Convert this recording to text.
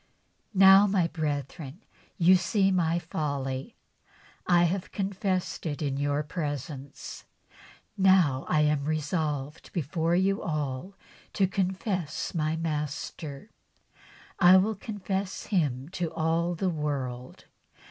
" Now, my brethren, you see my folly. I have confessed it in your presence, and now I am resolved before you all to confess my Master. I will confess Him to all the world.